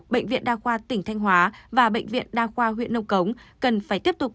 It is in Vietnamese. bệnh viện đa khoa tỉnh thanh hóa và bệnh viện đa khoa huyện nông cống cần phải tiếp tục